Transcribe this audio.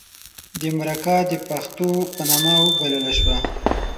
د مرکه د پښتو په نامه وبلله شوه.